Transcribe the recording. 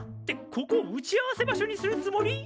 ここを打ち合わせ場所にするつもり！？